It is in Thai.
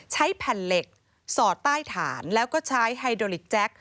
ใช้แผ่นเหล็กสอดใต้ฐานแล้วก็ใช้ไฮโดลิกแจ็ค